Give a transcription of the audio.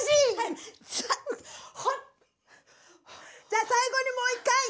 じゃあ最後にもう一回！